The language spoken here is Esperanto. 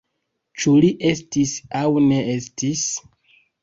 Ĉu li estis aŭ ne estis?